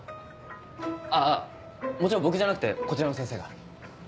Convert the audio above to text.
あぁもちろん僕じゃなくてこちらの先生が。